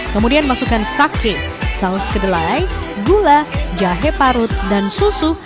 kemudian masukkan saking saus kedelai gula jahe parut dan susu